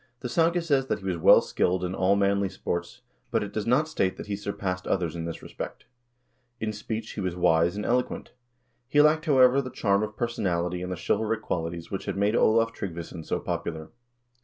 The saga says that he was well skilled in all manly sports, but it does not state that he surpassed others in this respect. In speech he was wise and eloquent. He lacked, however, the charm of personality and the chivalric qualities which had made Olav Tryggvason so popular.